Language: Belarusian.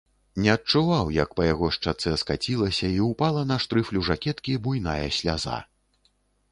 Не адчуваў, як па яго шчацэ скацілася і ўпала на штрыфлю жакеткі буйная сляза.